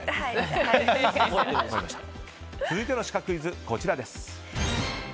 続いてのシカクイズです。